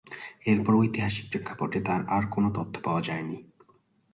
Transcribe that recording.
এরপর ঐতিহাসিক প্রেক্ষাপটে তার আর কোনো তথ্য পাওয়া যায়নি।